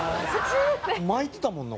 巻いてたもんな